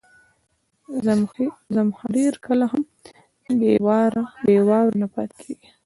زمهریر کله هم بې واورو نه پاتې کېږي.